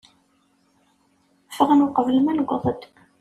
Ffɣen uqbel ma nuweḍ-d.